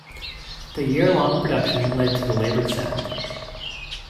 The year-long production led to the labored sound.